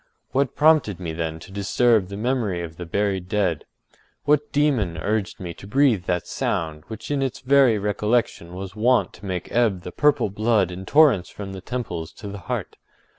What prompted me then to disturb the memory of the buried dead? What demon urged me to breathe that sound, which in its very recollection was wont to make ebb the purple blood in torrents from the temples to the heart?